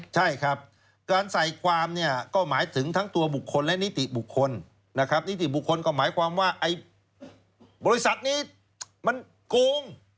ใช่ครับการใส่ความเนี่ยก็หมายถึงทั้งตัวบุคคลและนิติบุคคลนะครับนิติบุคคลก็หมายความว่าไอ้บริษัทนี้มันโกง